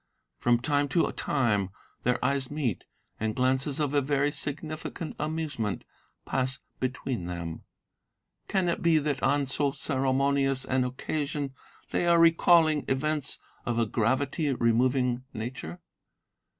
From time to time their eyes meet, and glances of a very significant amusement pass between them; Can it be that on so ceremonious an occasion they are recalling events of a gravity removing nature?